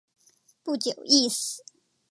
不久亦死。